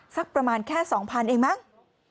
สักประมาณแค่๒๐๐เองมั้ง